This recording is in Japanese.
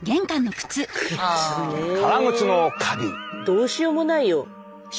どうしようもないよ。